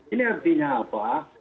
ini artinya apa